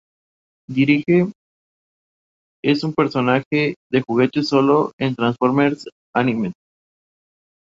Dirge es un personaje de juguetes sólo en Transformers Animated.